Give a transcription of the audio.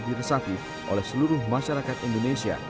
dan dipercaya dengan sasif oleh seluruh masyarakat indonesia